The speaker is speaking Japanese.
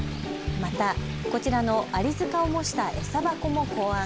また、こちらのあり塚を模した餌箱も考案。